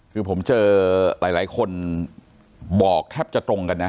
คือผมเจอหลายคนบอกแทบจะตรงกันนะ